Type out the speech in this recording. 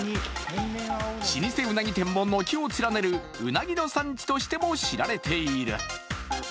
老舗うなぎ店も軒を連ねるうなぎの産地としても知られている。